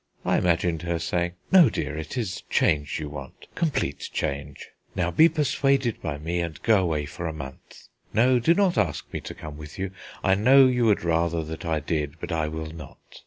I imagined her saying: "No, dear, it is change you want; complete change. Now be persuaded by me, and go away for a month. No, do not ask me to come with you. I know you would rather that I did, but I will not.